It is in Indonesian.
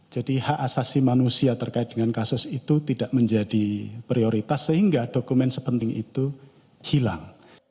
jadi hak asasi manusia terkait dengan kasus itu tidak menjadi prioritas sehingga dokumen sepenting itu hilang